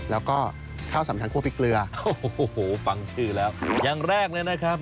แล้วก็ข้าวสำคัญคั่วพริกเกลือโอ้โหฟังชื่อแล้วอย่างแรกเลยนะครับ